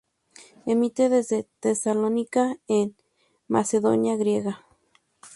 Emite desde Tesalónica en Macedonia griega.